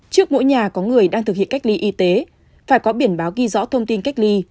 trước mỗi nhà có người đang thực hiện cách ly y tế phải có biển báo ghi rõ thông tin cách ly